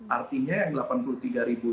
artinya yang delapan puluh tiga ribu